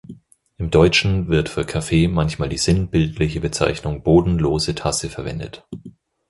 Im Deutschen wird für Kaffee manchmal die sinnbildliche Bezeichnung bodenlose Tasse verwendet.